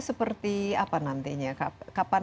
seperti apa nantinya kapan